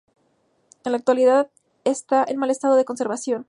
En la actualidad está en mal estado de conservación.